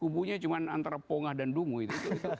kubunya cuma antara pongah dan dumu itu